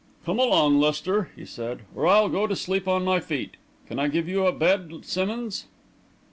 "Come along, Lester," he said, "or I'll go to sleep on my feet. Can I give you a bed, Simmonds?"